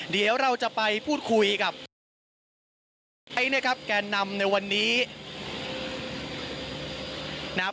เดี๋ยวเราจะไปพูดคุยกับไอ้นะครับแกนนำในวันนี้นะครับ